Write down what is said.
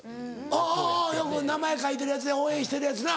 あぁよく名前書いてるやつ応援してるやつな。